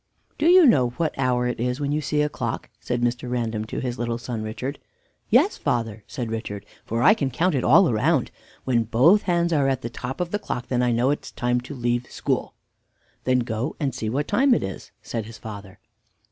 "Do you know what hour it is when you see a clock?" said Mr. Random to his little son Richard. "Yes, father," said Richard; "for I can count it all round. When both hands are at the top of the clock, then I know it is time to leave school." "Then go and see what time it is," said his father.